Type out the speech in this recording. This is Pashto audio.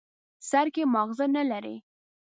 سر کې ماغزه نه لري.